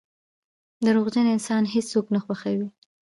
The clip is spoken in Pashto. • دروغجن انسان هیڅوک نه خوښوي.